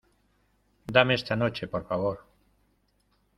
dame esta noche, por favor.